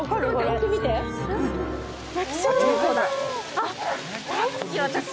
大好き、私。